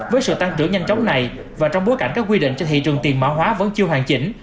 với sự tăng trưởng nhanh chóng này và trong bối cảnh các quy định cho thị trường tiền mã hóa vẫn chưa hoàn chỉnh